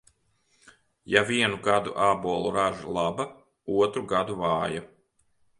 Ja vienu gadu ābolu raža laba, otru gadu vāja.